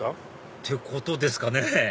ってことですかね